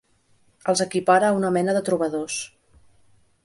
Els equipara a una mena de trobadors.